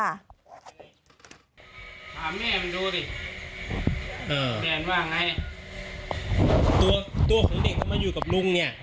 ถามแม่มันดูสิเออแดนว่าไงตัวตัวของเด็กก็มาอยู่กับลุงเนี่ย